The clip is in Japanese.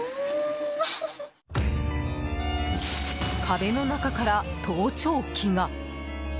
壁の中から盗聴器が。